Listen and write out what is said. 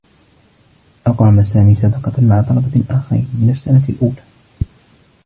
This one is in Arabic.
أقام سامي صداقة مع طلبة آخرين من السّنة الأولى.